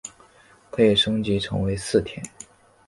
可以升级成为四天。